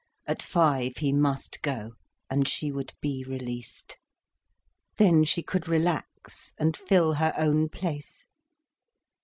At five he must go, and she would be released. Then she could relax and fill her own place.